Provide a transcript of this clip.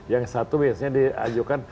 yang satu biasanya diajukan